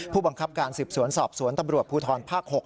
ผู้บังคับการสืบสวนสอบสวนตำรวจภูทรภาค๖